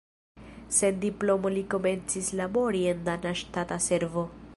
Sen diplomo li komencis labori en dana ŝtata servo.